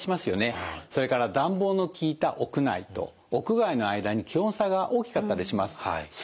それから暖房の効いた屋内と屋外の間に気温差が大きかったりします。